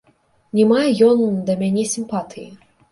Не мае ён да мяне сімпатыі.